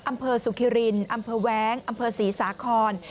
อำเภอสุขิรินอำเภอแว้งอำเภอศรีสาคร